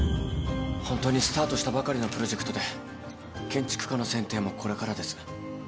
ホントにスタートしたばかりのプロジェクトで建築家の選定もこれからです。